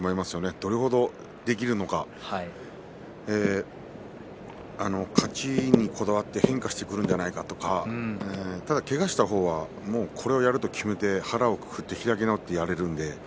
どれ程、できるのか勝ちにこだわって変化してくるんではないかとかでもけがをした方はもうこれをやる、と思って腹を決めて開き直ってやれますからね